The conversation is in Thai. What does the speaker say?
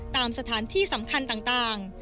ตามสถานที่สำคัญต่าง